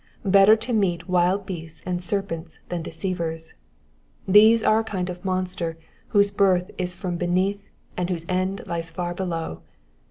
Better to meet wild beasts and serpents than deceivers : these are a kind of monster whose birth is from beneath, and whose end lies far below.